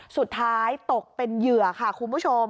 สุดท้ายตกเป็นเหยื่อค่ะคุณผู้ชม